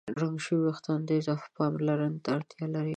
رنګ شوي وېښتيان اضافه پاملرنې ته اړتیا لري.